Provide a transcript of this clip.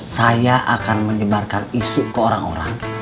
saya akan menyebarkan isu ke orang orang